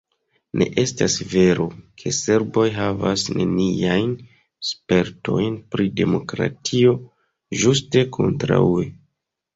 Ne estas vero, ke serboj havas neniajn spertojn pri demokratio, ĝuste kontraŭe.